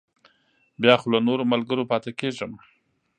بیا خو له نورو ملګرو پاتې کېږم.